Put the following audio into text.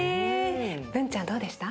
ブンちゃんどうでした？